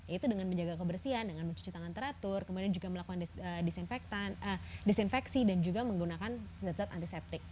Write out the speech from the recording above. yaitu dengan menjaga kebersihan dengan mencuci tangan teratur kemudian juga melakukan disinfeksi dan juga menggunakan zat zat antiseptik